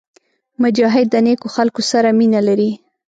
مجاهد د نیکو خلکو سره مینه لري.